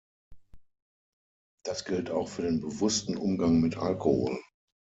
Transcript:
Das gilt auch für den bewussten Umgang mit Alkohol.